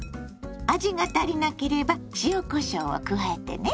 味が足りなければ塩こしょうを加えてね。